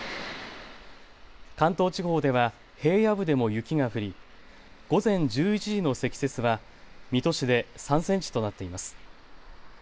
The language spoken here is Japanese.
関東地方では平野部でも雪が降り午前１１時の積雪は水戸市で３センチとなっています。